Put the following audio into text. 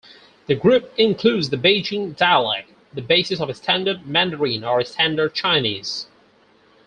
The group includes the Beijing dialect, the basis of Standard Mandarin or Standard Chinese.